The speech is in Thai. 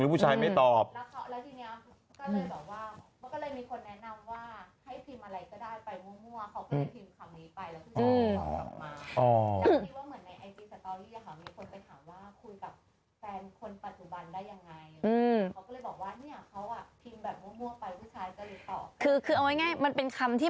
แล้วเหมือนแบบว่าผู้ชายคนนี้ก็ไม่ตอบทักทีอะไรอย่างเงี้ยเขาก็เลยแบบ